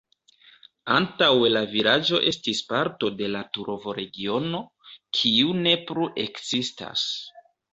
Antaŭe la vilaĝo estis parto de la Turovo-regiono, kiu ne plu ekzistas.